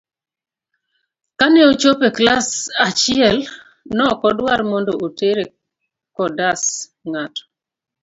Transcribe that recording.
Kane ochopo e klas achiel nokodwar mondo otere kodas n'gato.